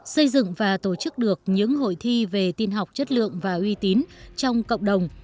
xây dựng và tổ chức được những hội thi về tin học chất lượng và uy tín trong cộng đồng